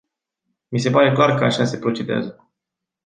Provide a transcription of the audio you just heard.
Mi se pare clar că așa se procedează.